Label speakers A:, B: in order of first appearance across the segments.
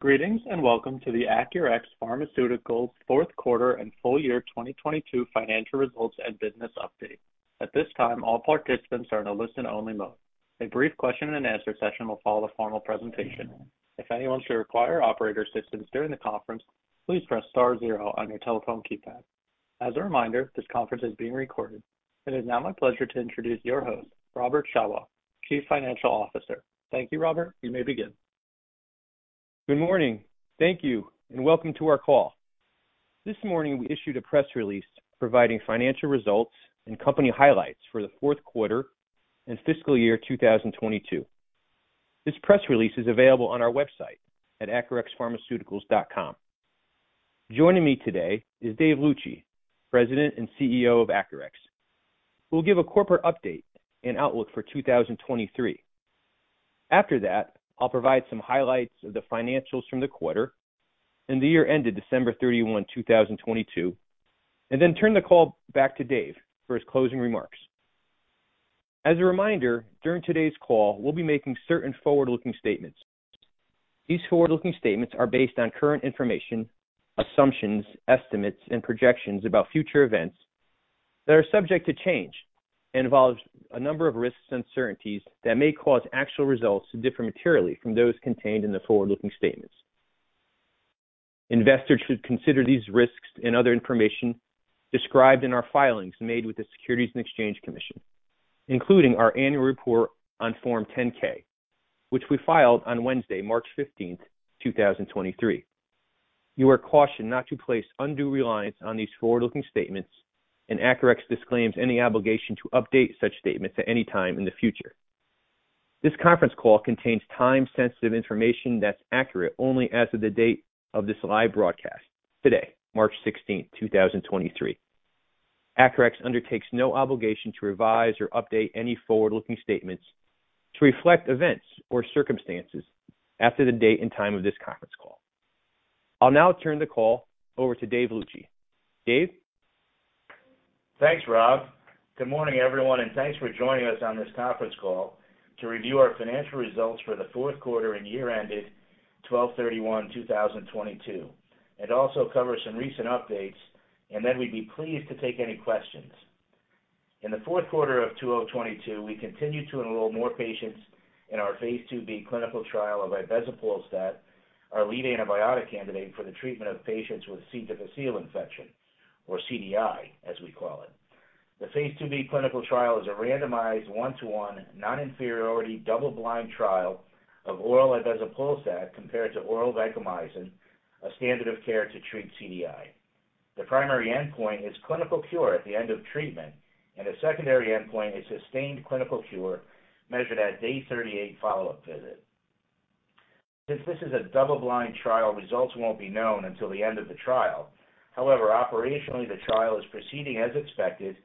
A: Greetings, and welcome to the Acurx Pharmaceuticals fourth quarter and full year 2022 financial results and business update. At this time, all participants are in a listen-only mode. A brief question and answer session will follow the formal presentation. If anyone should require operator assistance during the conference, please press star zero on your telephone keypad. As a reminder, this conference is being recorded. It is now my pleasure to introduce your host, Robert G. Shawah, Chief Financial Officer. Thank you, Robert. You may begin.
B: Good morning. Thank you, and welcome to our call. This morning, we issued a press release providing financial results and company highlights for the fourth quarter and fiscal year 2022. This press release is available on our website at acurxpharma.com. Joining me today is Dave Luci, President and CEO of Acurx, who will give a corporate update and outlook for 2023. After that, I'll provide some highlights of the financials from the quarter and the year ended December 31, 2022, and then turn the call back to Dave for his closing remarks. As a reminder, during today's call, we'll be making certain forward-looking statements. These forward-looking statements are based on current information, assumptions, estimates, and projections about future events that are subject to change and involves a number of risks and uncertainties that may cause actual results to differ materially from those contained in the forward-looking statements. Investors should consider these risks and other information described in our filings made with the Securities and Exchange Commission, including our annual report on Form 10-K, which we filed on Wednesday, March 15, 2023. You are cautioned not to place undue reliance on these forward-looking statements, and Acurx disclaims any obligation to update such statements at any time in the future. This conference call contains time-sensitive information that's accurate only as of the date of this live broadcast, today, March 16, 2023. Acurx undertakes no obligation to revise or update any forward-looking statements to reflect events or circumstances after the date and time of this conference call. I'll now turn the call over to Dave Luci. Dave.
C: Thanks, Rob. Good morning, everyone, thanks for joining us on this conference call to review our financial results for the fourth quarter and year ended December 31, 2022, also cover some recent updates, then we'd be pleased to take any questions. In the fourth quarter of 2022, we continued to enroll more patients in our phase IIB clinical trial of ibezapolstat, our lead antibiotic candidate for the treatment of patients with C. difficile infection or CDI as we call it. The phase IIB clinical trial is a randomized 1-to-1 non-inferiority double blind trial of oral ibezapolstat compared to oral vancomycin, a standard of care to treat CDI. The primary endpoint is clinical cure at the end of treatment, a secondary endpoint is sustained clinical cure measured at day 38 follow-up visit. Since this is a double blind trial, results won't be known until the end of the trial. Operationally, the trial is proceeding as expected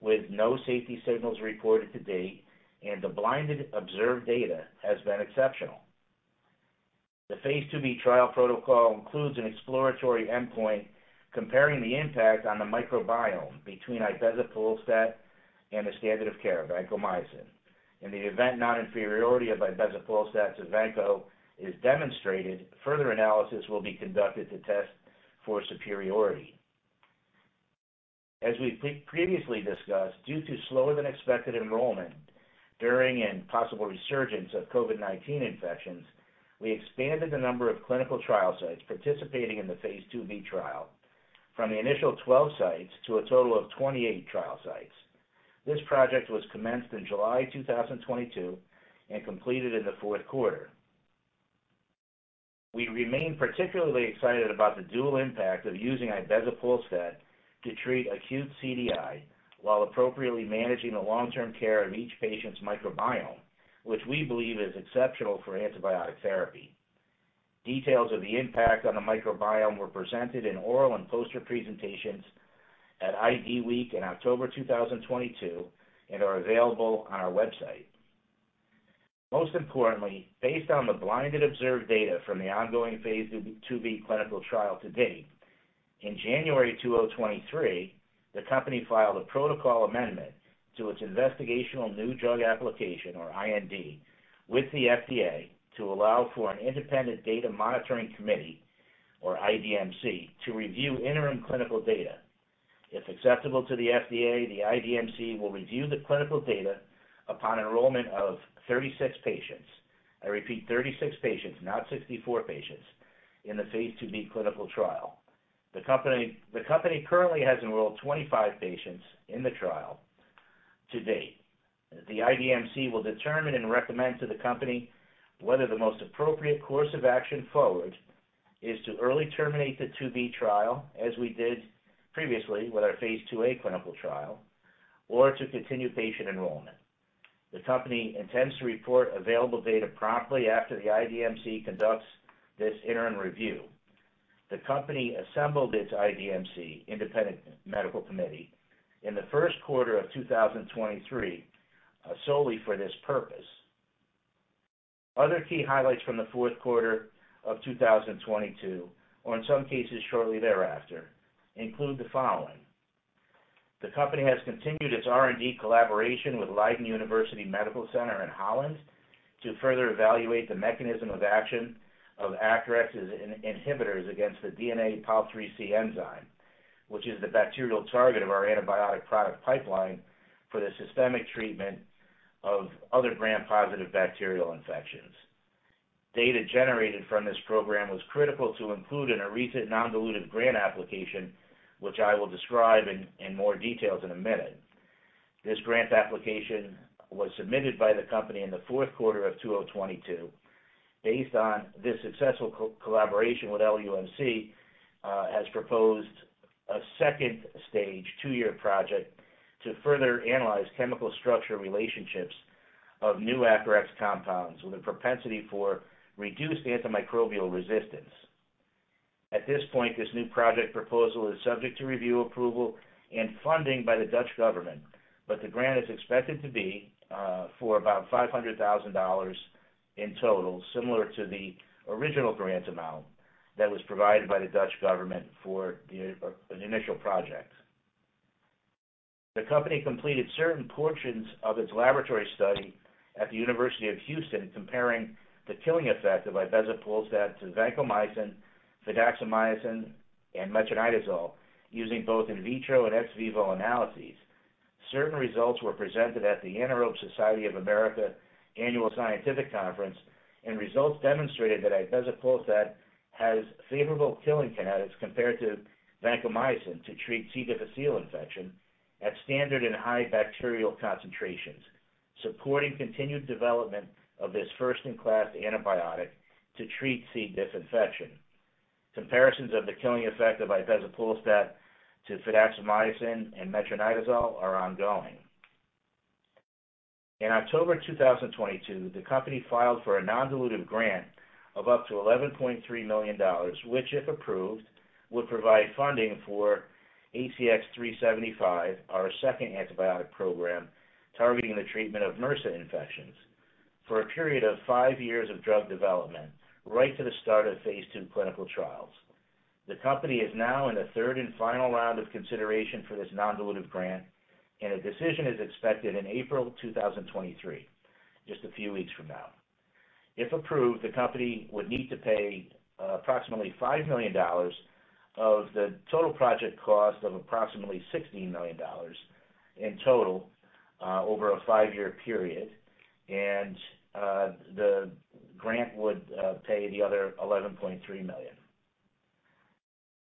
C: with no safety signals reported to date, and the blinded observed data has been exceptional. The phase IIB trial protocol includes an exploratory endpoint comparing the impact on the microbiome between ibezapolstat and the standard of care vancomycin. In the event non-inferiority of ibezapolstat to vanco is demonstrated, further analysis will be conducted to test for superiority. As we previously discussed, due to slower than expected enrollment during and possible resurgence of COVID-19 infections, we expanded the number of clinical trial sites participating in the phase IIB trial from the initial 12 sites to a total of 28 trial sites. This project was commenced in July 2022 and completed in the fourth quarter. We remain particularly excited about the dual impact of using ibezapolstat to treat acute CDI while appropriately managing the long-term care of each patient's microbiome, which we believe is exceptional for antibiotic therapy. Details of the impact on the microbiome were presented in oral and poster presentations at ID Week in October 2022 and are available on our website. Most importantly, based on the blinded observed data from the ongoing phase IIB clinical trial to date, in January 2023, the company filed a protocol amendment to its investigational new drug application or IND with the FDA to allow for an independent data monitoring committee or IDMC to review interim clinical data. If acceptable to the FDA, the IDMC will review the clinical data upon enrollment of 36 patients. I repeat, 36 patients, not 64 patients in the phase IIB clinical trial. The company currently has enrolled 25 patients in the trial to date. The IDMC will determine and recommend to the company whether the most appropriate course of action forward is to early terminate the 2B trial, as we did previously with our phase IIA clinical trial, or to continue patient enrollment. The company intends to report available data promptly after the IDMC conducts this interim review. The company assembled its IDMC, independent medical committee, in the first quarter of 2023, solely for this purpose. Other key highlights from the fourth quarter of 2022, or in some cases shortly thereafter, include the following. The company has continued its R&D collaboration with Leiden University Medical Center in Holland to further evaluate the mechanism of action of Acurx's in-inhibitors against the DNA pol IIIC enzyme, which is the bacterial target of our antibiotic product pipeline for the systemic treatment of other Gram-positive bacterial infections. Data generated from this program was critical to include in a recent non-dilutive grant application, which I will describe in more details in a minute. This grant application was submitted by the company in the fourth quarter of 2022. Based on this successful co-collaboration with LUMC, has proposed a second stage two-year project to further analyze chemical structure relationships of new Acurx compounds with a propensity for reduced antimicrobial resistance. At this point, this new project proposal is subject to review approval and funding by the Dutch government, but the grant is expected to be for about $500 thousand in total, similar to the original grant amount that was provided by the Dutch government for an initial project. The company completed certain portions of its laboratory study at the University of Houston comparing the killing effect of ibezapolstat to vancomycin, fidaxomicin, and metronidazole using both in vitro and ex vivo analyses. Certain results were presented at the Anaerobe Society of the Americas Annual Scientific Conference. Results demonstrated that ibezapolstat has favorable killing kinetics compared to vancomycin to treat C. difficile infection at standard and high bacterial concentrations, supporting continued development of this first in class antibiotic to treat C. diff infection. Comparisons of the killing effect of ibezapolstat to fidaxomicin and metronidazole are ongoing. In October 2022, the company filed for a non-dilutive grant of up to $11.3 million, which if approved, would provide funding for ACX-375, our second antibiotic program targeting the treatment of MRSA infections, for a period of five years of drug development right to the start of phase II clinical trials. The company is now in the third and final round of consideration for this non-dilutive grant, and a decision is expected in April 2023, just a few weeks from now. If approved, the company would need to pay approximately $5 million of the total project cost of approximately $16 million in total over a 5-year period, and the grant would pay the other $11.3 million.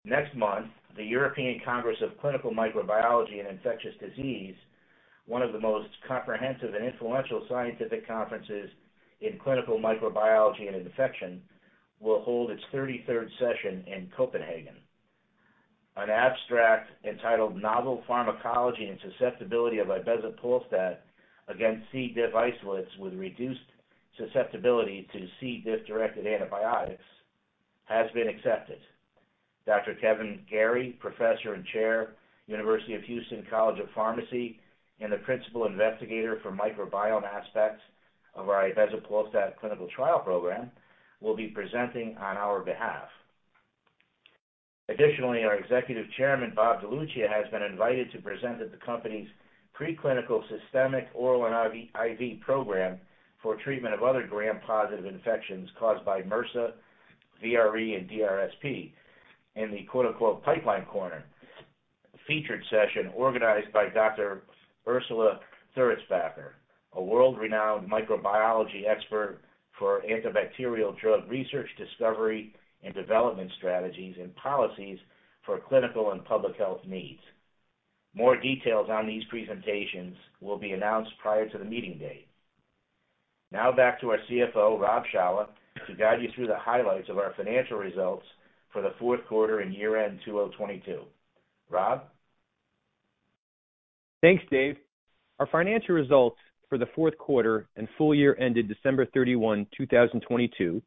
C: Next month, the European Congress of Clinical Microbiology and Infectious Disease, one of the most comprehensive and influential scientific conferences in clinical microbiology and infection, will hold its 33rd session in Copenhagen. An abstract entitled Novel Pharmacology and Susceptibility of Ibezapolstat against C. diff Isolates with Reduced Susceptibility to C. diff Directed Antibiotics, has been accepted. Dr. Kevin Garey, Professor and Chair, University of Houston College of Pharmacy, and the principal investigator for microbiome aspects of our ibezapolstat clinical trial program, will be presenting on our behalf. Our Executive Chairman, Bob DeLuccia, has been invited to present at the company's pre-clinical systemic oral and IV program for treatment of other Gram-positive infections caused by MRSA, VRE, and DRSP in the quote/unquote "Pipeline Corner" featured session organized by Dr. Ursula Theuretzbacher, a world-renowned microbiology expert for antibacterial drug research discovery and development strategies and policies for clinical and public health needs. More details on these presentations will be announced prior to the meeting date. Now back to our CFO, Rob Shawah, to guide you through the highlights of our financial results for the fourth quarter and year-end 2022. Rob?
B: Thanks, Dave. Our financial results for the fourth quarter and full year ended December 31, 2022,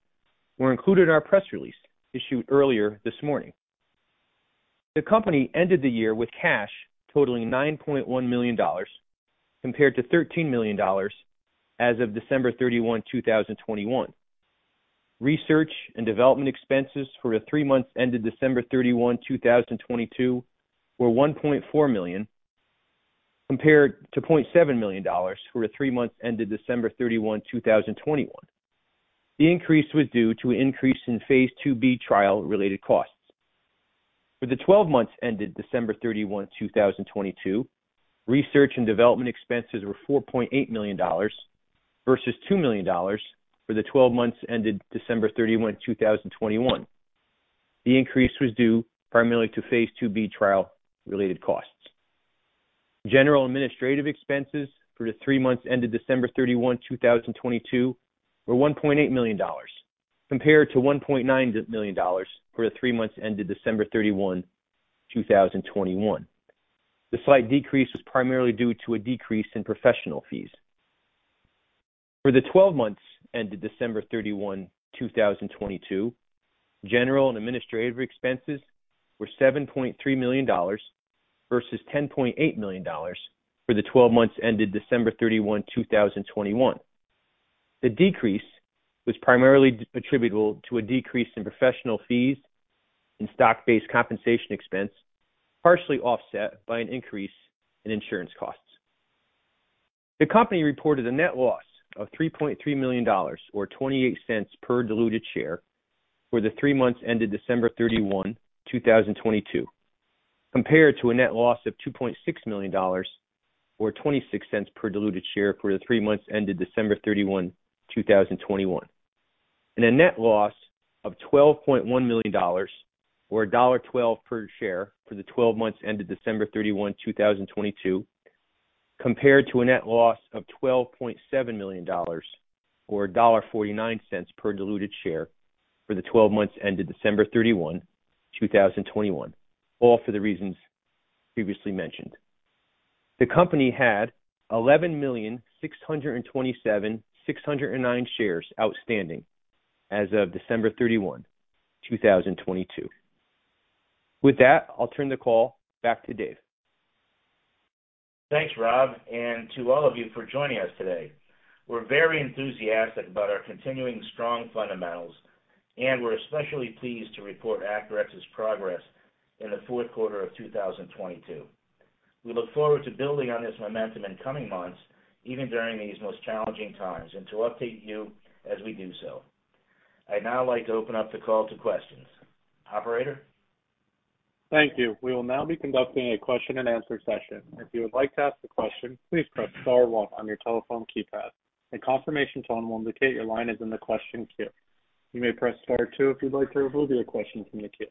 B: were included in our press release issued earlier this morning. The company ended the year with cash totaling $9.1 million compared to $13 million as of December 31, 2021. Research and development expenses for the three months ended December 31, 2022, were $1.4 million compared to $0.7 million for the three months ended December 31, 2021. The increase was due to an increase in phase IIB trial related costs. For the 12 months ended December 31, 2022, research and development expenses were $4.8 million versus $2 million for the 12 months ended December 31, 2021. The increase was due primarily to phase IIB trial related costs. General administrative expenses for the three months ended December 31, 2022, were $1.8 million compared to $1.9 million for the three months ended December 31, 2021. The slight decrease was primarily due to a decrease in professional fees. For the 12 months ended December 31, 2022, general and administrative expenses were $7.3 million versus $10.8 million for the 12 months ended December 31, 2021. The decrease was primarily attributable to a decrease in professional fees and stock-based compensation expense, partially offset by an increase in insurance costs. The company reported a net loss of $3.3 million or $0.28 per diluted share for the three months ended December 31, 2022, compared to a net loss of $2.6 million or $0.26 per diluted share for the three months ended December 31, 2021. A net loss of $12.1 million or $1.12 per share for the 12 months ended December 31, 2022, compared to a net loss of $12.7 million or $1.49 per diluted share for the 12 months ended December 31, 2021, all for the reasons previously mentioned. The company had 11,627,609 shares outstanding as of December 31, 2022. With that, I'll turn the call back to Dave.
C: Thanks, Rob, to all of you for joining us today. We're very enthusiastic about our continuing strong fundamentals, we're especially pleased to report Acurx's progress in the fourth quarter of 2022. We look forward to building on this momentum in coming months, even during these most challenging times, to update you as we do so. I'd now like to open up the call to questions. Operator?
A: Thank you. We will now be conducting a question-and-answer session. If you would like to ask a question, please press star one on your telephone keypad. A confirmation tone will indicate your line is in the question queue. You may press star two if you'd like to remove your question from the queue.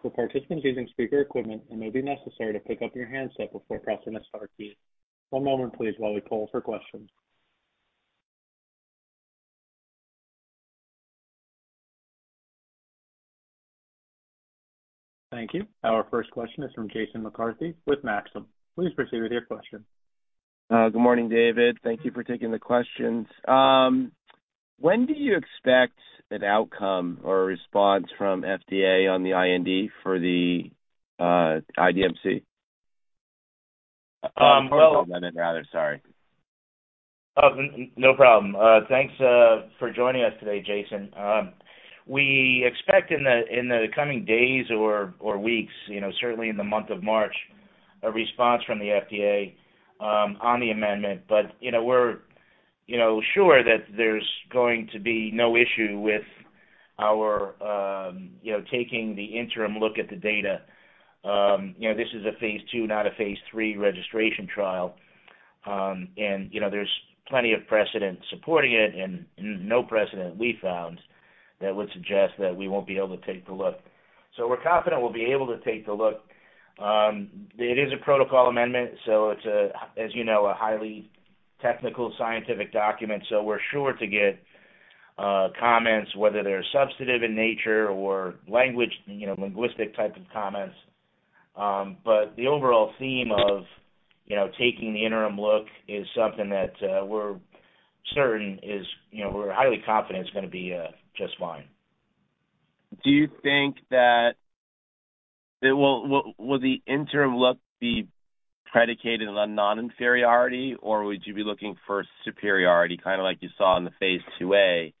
A: For participants using speaker equipment, it may be necessary to pick up your handset before pressing the star key. One moment please while we poll for questions. Thank you. Our first question is from Jason McCarthy with Maxim. Please proceed with your question.
D: Good morning, David. Thank you for taking the questions. When do you expect an outcome or a response from FDA on the IND for the IDMC?
C: Um, well-
D: Protocol amendment rather. Sorry.
C: No problem. Thanks for joining us today, Jason. We expect in the coming days or weeks, you know, certainly in the month of March, a response from the FDA on the amendment. You know, we're, you know, sure that there's going to be no issue with our, you know, taking the interim look at the data. This is a phase II, not a phase III registration trial. You know, there's plenty of precedent supporting it and no precedent we found that would suggest that we won't be able to take the look. We're confident we'll be able to take the look. It is a protocol amendment, so it's a, as you know, a highly technical scientific document, so we're sure to get comments, whether they're substantive in nature or language, you know, linguistic type of comments. The overall theme of, you know, taking the interim look is something that, we're certain is, you know, we're highly confident it's gonna be just fine.
D: Do you think that, will the interim look be predicated on non-inferiority, or would you be looking for superiority, kinda like you saw in the phase IIA?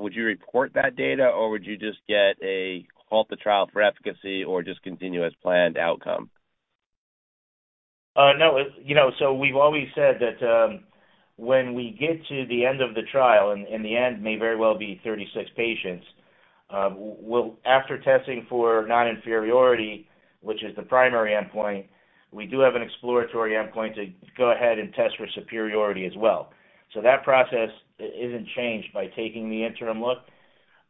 D: Would you report that data, or would you just get a halt the trial for efficacy or just continue as planned outcome?
C: No. You know, we've always said that, when we get to the end of the trial, and the end may very well be 36 patients, well, after testing for non-inferiority, which is the primary endpoint, we do have an exploratory endpoint to go ahead and test for superiority as well. That process isn't changed by taking the interim look.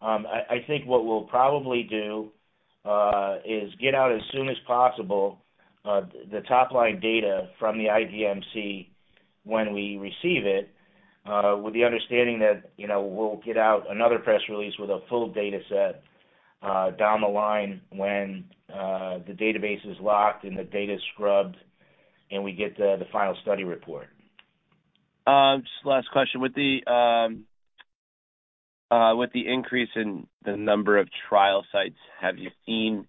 C: I think what we'll probably do, is get out as soon as possible, the top-line data from the IDMC when we receive it, with the understanding that, you know, we'll get out another press release with a full data set, down the line when the database is locked and the data's scrubbed and we get the final study report.
D: Just last question. With the increase in the number of trial sites, have you seen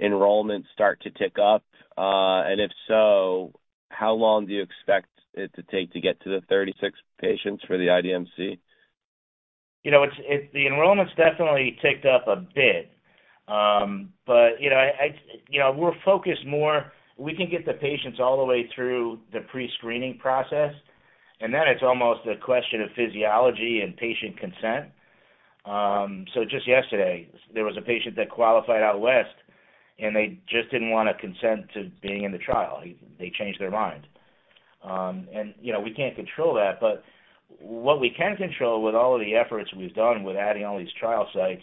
D: enrollment start to tick up? If so, how long do you expect it to take to get to the 36 patients for the IDMC?
C: You know, it's, the enrollment's definitely ticked up a bit. You know, we can get the patients all the way through the pre-screening process, and then it's almost a question of physiology and patient consent. Just yesterday there was a patient that qualified out west, and they just didn't wanna consent to being in the trial. They changed their mind. You know, we can't control that. What we can control with all of the efforts we've done with adding all these trial sites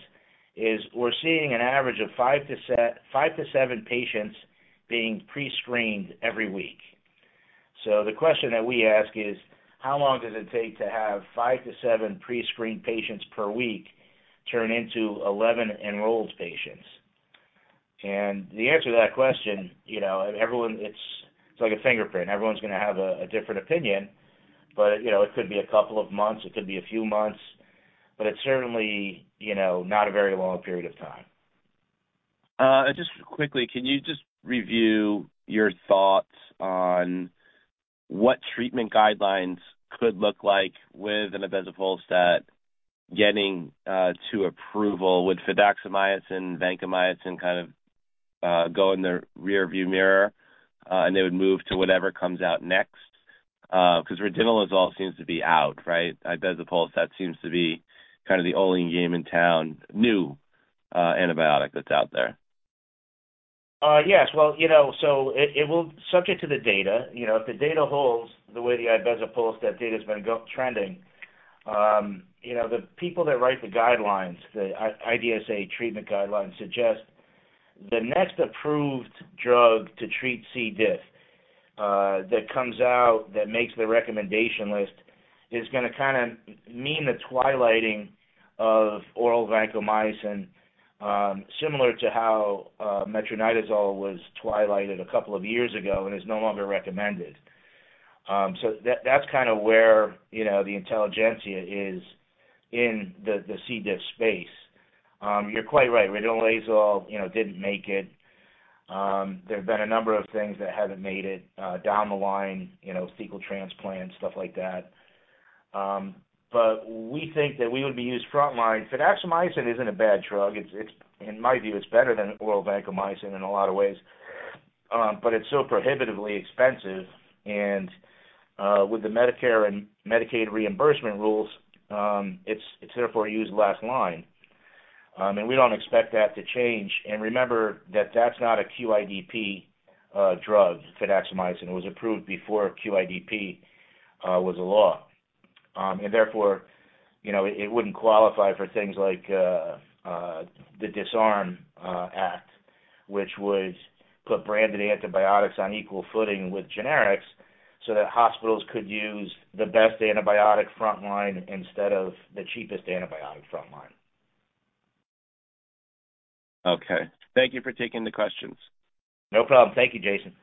C: is we're seeing an average of five to seven patients being pre-screened every week. The question that we ask is, how long does it take to have 5 to 7 pre-screened patients per week turn into 11 enrolled patients? The answer to that question, you know, It's like a fingerprint. Everyone's gonna have a different opinion. You know, it could be a couple of months, it could be a few months, but it's certainly, you know, not a very long period of time.
D: Just quickly, can you just review your thoughts on what treatment guidelines could look like with ibezapolstat getting to approval? Would fidaxomicin, vancomycin kind of go in the rear view mirror, and they would move to whatever comes out next? 'Cause ridinilazole seems to be out, right? Ibezapolstat seems to be kind of the only game in town, new antibiotic that's out there.
C: Yes. You know, so it will subject to the data. You know, if the data holds the way the ibezapolstat data's been trending, you know, the people that write the guidelines, the IDSA treatment guidelines suggest the next approved drug to treat C. diff that comes out that makes the recommendation list is gonna kinda mean the twilighting of oral vancomycin, similar to how metronidazole was twilighted a couple of years ago and is no longer recommended. That-that's kinda where, you know, the intelligentsia is in the C. diff space. You're quite right. Ridinilazole, you know, didn't make it. There have been a number of things that haven't made it down the line, you know, fecal transplant, stuff like that. We think that we would be used frontline. fidaxomicin isn't a bad drug. In my view, it's better than oral vancomycin in a lot of ways. It's so prohibitively expensive, and with the Medicare and Medicaid reimbursement rules, it's therefore used last line. We don't expect that to change. Remember that that's not a QIDP drug, fidaxomicin. It was approved before QIDP was a law. Therefore, you know, it wouldn't qualify for things like the DISARM Act, which would put branded antibiotics on equal footing with generics so that hospitals could use the best antibiotic frontline instead of the cheapest antibiotic frontline.
D: Okay. Thank you for taking the questions.
C: No problem. Thank you, Jason.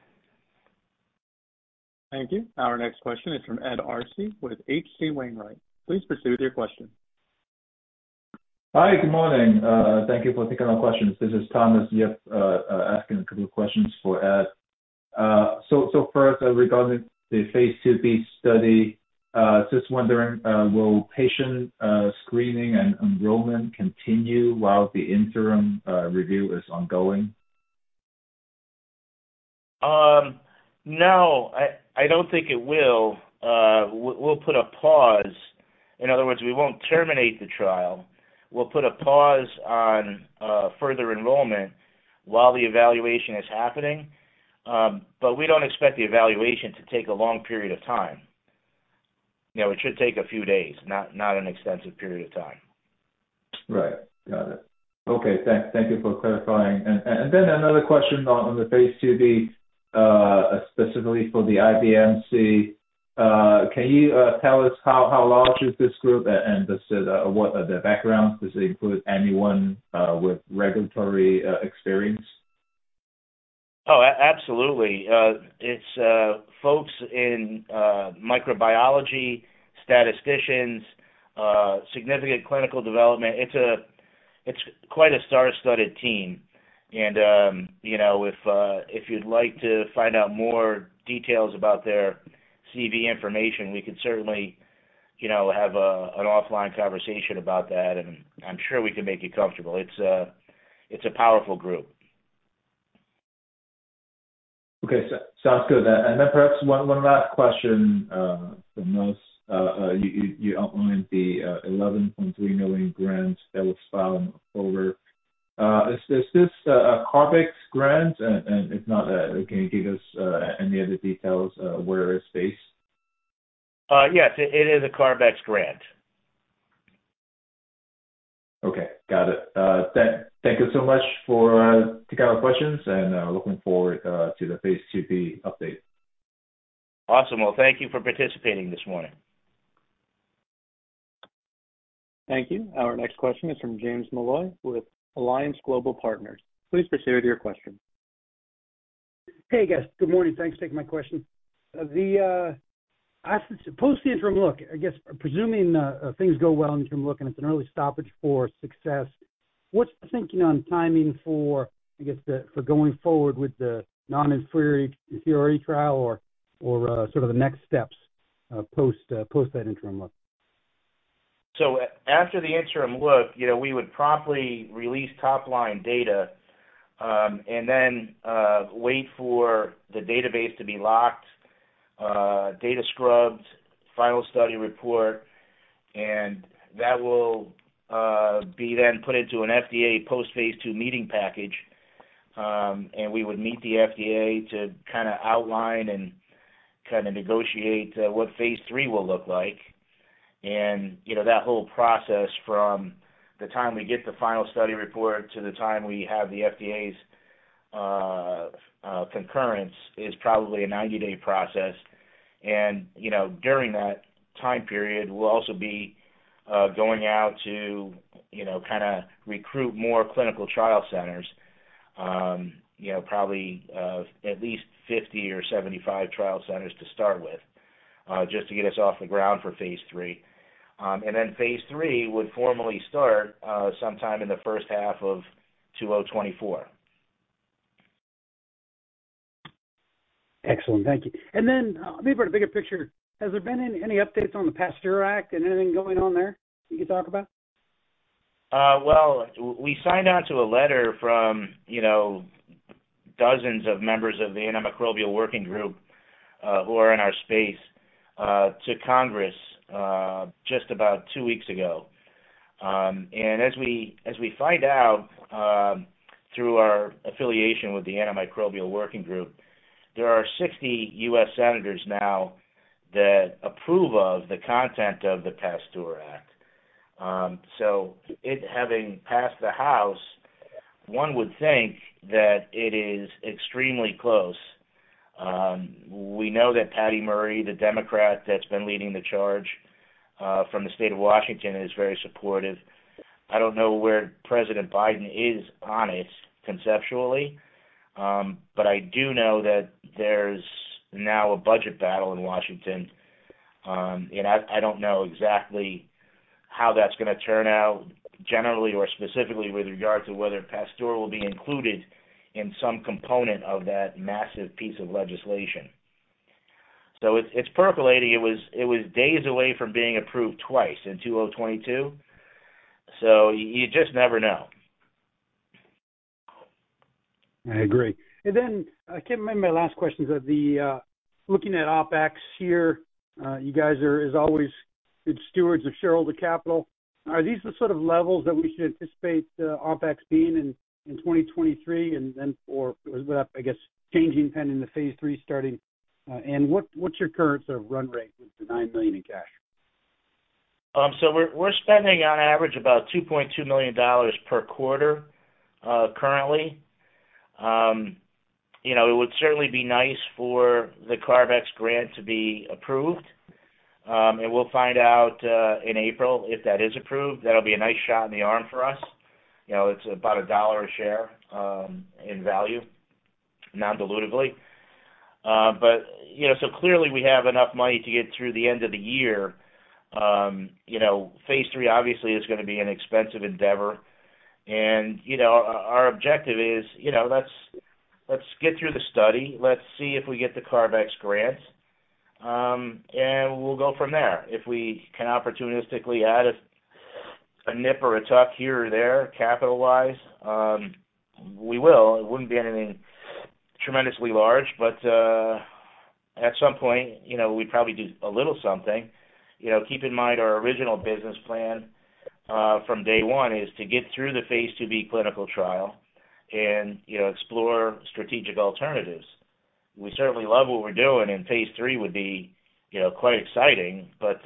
A: Thank you. Our next question is from Ed Arce with H.C. Wainwright. Please proceed with your question.
E: Hi. Good morning. Thank you for taking our questions. This is Thomas Yip, asking a couple of questions for Ed. First, regarding the phase IIB study, just wondering, will patient screening and enrollment continue while the interim review is ongoing?
C: No, I don't think it will. We'll put a pause. In other words, we won't terminate the trial. We'll put a pause on further enrollment while the evaluation is happening. We don't expect the evaluation to take a long period of time. You know, it should take a few days, not an extensive period of time.
E: Right. Got it. Okay. Thank you for clarifying. Another question on the phase IIB, specifically for the IDMC. Can you tell us how large is this group and just what are their backgrounds? Does it include anyone with regulatory experience?
C: Absolutely. It's folks in microbiology, statisticians, significant clinical development. It's quite a star-studded team. You know, if you'd like to find out more details about their CV information, we can certainly, you know, have an offline conversation about that, and I'm sure we can make you comfortable. It's a, it's a powerful group.
E: Okay. Sounds good. Perhaps one last question from us. You outlined the $11.3 million grant that was filed in October. Is this a CARB-X grant? If not, can you give us any other details where it's based?
C: Yes, it is a CARB-X grant.
E: Okay. Got it. Thank you so much for taking our questions, and looking forward to the phase IIB update.
C: Awesome. Well, thank you for participating this morning.
A: Thank you. Our next question is from James Molloy with Alliance Global Partners. Please proceed with your question.
F: Hey, guys. Good morning. Thanks for taking my question. Post the interim look, I guess presuming, things go well in the interim look, and it's an early stoppage for success, what's the thinking on timing for, I guess, for going forward with the non-inferiority trial or, sort of the next steps, post that interim look?
C: After the interim look, you know, we would promptly release top-line data, then wait for the database to be locked, data scrubbed, final study report, and that will be then put into an FDA post-phase II meeting package. We would meet the FDA to kinda outline and kinda negotiate what phase III will look like. You know, that whole process from the time we get the final study report to the time we have the FDA's concurrence is probably a 90-day process. You know, during that time period, we'll also be going out to, you know, kinda recruit more clinical trial centers, you know, probably at least 50 or 75 trial centers to start with. Just to get us off the ground for phase III. Phase III would formally start sometime in the first half of 2024.
F: Excellent. Thank you. Then maybe for the bigger picture, has there been any updates on the PASTEUR Act and anything going on there you can talk about?
C: Well, we signed on to a letter from, you know, dozens of members of the Antimicrobials Working Group, who are in our space, to Congress, just about two weeks ago. As we, as we find out, through our affiliation with the Antimicrobials Working Group, there are 60 U.S. senators now that approve of the content of the PASTEUR Act. It having passed the House, one would think that it is extremely close. We know that Patty Murray, the Democrat that's been leading the charge, from the state of Washington, is very supportive. I don't know where President Biden is on it conceptually. I do know that there's now a budget battle in Washington. I don't know exactly how that's gonna turn out generally or specifically with regard to whether PASTEUR will be included in some component of that massive piece of legislation. It's, it's percolating. It was days away from being approved twice in 2022. You just never know.
F: I agree. Then I can't remember my last question. The looking at OpEx here, you guys are as always good stewards of shareholder capital. Are these the sort of levels that we should anticipate OpEx being in 2023 and then I guess, changing pending the phase III starting? What's your current sort of run rate with the $9 million in cash?
C: We are spending an average about $2.2 million per quarter currently. You know, it would certainly be nice for the CARB-X grant to be approved. And we'll find out in April if that is approved. That'll be a nice shot in the arm for us. You know, it's about a dollar a share in value non-dilutively. But, you know, clearly we have enough money to get through the end of the year. You know, phase III obviously is going to be an expensive endeavor. And, you know, our objective is, you know, let's get through the study. Let's see if we get the CARB-X grant, and we'll go from there. If we can opportunistically add a nip or a tuck here or there capital-wise. We will. It wouldn't be anything tremendously large, but, at some point, you know, we'd probably do a little something. You know, keep in mind our original business plan, from day one is to get through the phase IIB clinical trial and, you know, explore strategic alternatives. We certainly love what we're doing, phase III would be, you know, quite exciting. You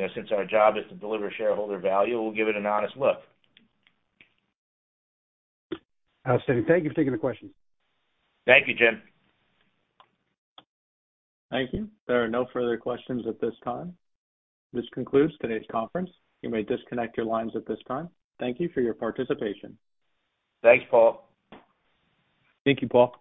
C: know, since our job is to deliver shareholder value, we'll give it an honest look.
F: Awesome. Thank you for taking the questions.
C: Thank you, Jim.
A: Thank you. There are no further questions at this time. This concludes today's conference. You may disconnect your lines at this time. Thank you for your participation.
C: Thanks, Paul.
B: Thank you, Paul.